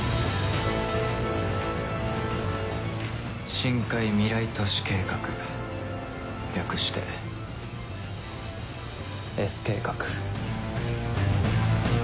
深海未来都市計画略してＳ計画。